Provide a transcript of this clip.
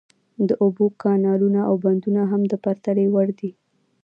د اوبو کانالونه او بندونه هم د پرتلې وړ نه وو.